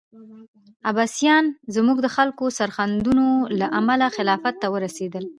عباسیان زموږ د خلکو سرښندنو له امله خلافت ته ورسېدل.